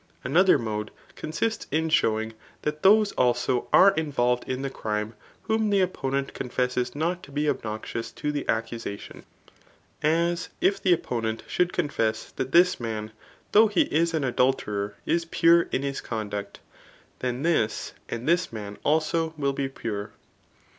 Another mode consists in showing that those also are in volved in the crime, whom the opponent confesses not to be obnoidous to the accusation ; as, if the opponent should confess that this man, though he is an adulterer, is pure in his conduct, then this and this man also will be pure.